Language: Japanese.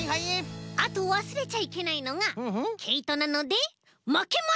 あとわすれちゃいけないのがけいとなのでまけます！